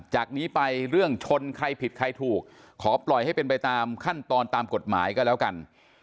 จากนี้ไปเรื่องชนใครผิดใครถูกขอปล่อยให้เป็นไปตามขั้นตอนตามกฎหมายก็แล้วกัน